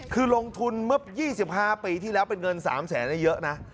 คือลงทุนเมื่อ๒๕ปีที่แล้วเป็นเงิน๓แสนเยอะนะ